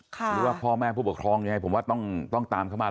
หรือว่าพ่อแม่ผู้ปกครองยังไงผมว่าต้องตามเข้ามา